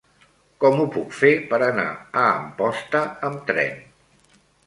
Com ho puc fer per anar a Amposta amb tren?